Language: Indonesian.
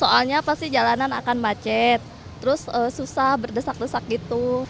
soalnya pasti jalanan akan macet terus susah berdesak desak gitu